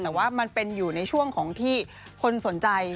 แต่ว่ามันเป็นอยู่ในช่วงของที่คนสนใจ